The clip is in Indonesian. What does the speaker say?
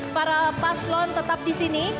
para paslon tetap di sini